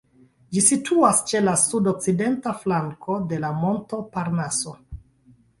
Ĝi situas ĉe la sud-okcidenta flanko de la monto Parnaso.